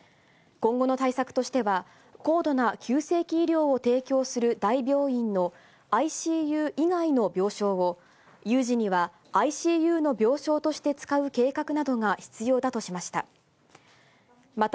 今後の対策としては、高度な急性期医療を提供する大病院のＩＣＵ以外の病床を、有事にはＩＣＵの病床として使う計画などが必要だとしました。